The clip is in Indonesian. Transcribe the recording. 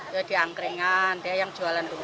ya di angkringan dia yang jualan lumpia